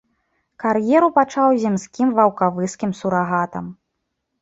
Кар'еру пачаў земскім ваўкавыскім сурагатам.